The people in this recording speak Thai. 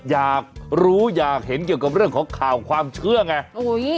อยากรู้อยากเห็นเกี่ยวกับเรื่องของข่าวความเชื่อไง